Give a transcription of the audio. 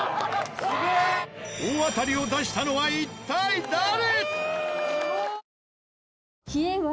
大当たりを出したのは一体誰？